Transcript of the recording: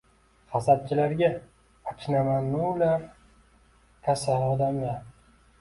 Hasadchilarga achinamanular kasal odamlar